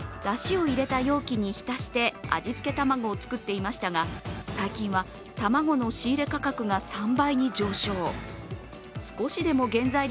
もともとこの店では、だしを入れた容器にひたして味付け玉子を作っていましたが最近は卵の仕入価格が３倍に上昇。